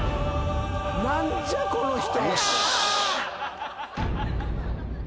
何じゃこの人。